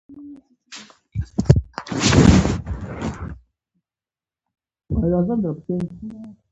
بدلون له زبېښونکو بنسټونو پیلېږي.